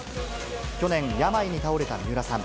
去年、病に倒れた三浦さん。